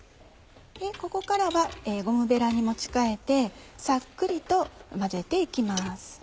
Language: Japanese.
ここからはゴムベラに持ち替えてさっくりと混ぜて行きます。